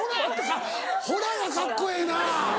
「ほら」がカッコええな！